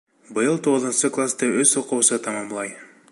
Быйыл туғыҙынсы класты өс уҡыусы тамамлай.